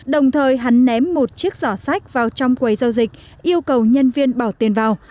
đồng thời hắn ném một chiếc giỏ sách vào trong quầy giao dịch yêu cầu nhân viên bỏ tiền vào